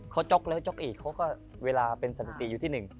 เขาจ๊อกแล้วจ๊อกเอจเขาก็เวลาเป็นสติตอยู่ที่๑